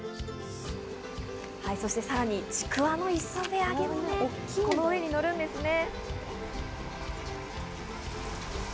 そしてさらに、ちくわの磯辺揚げもこの上にのるんですね。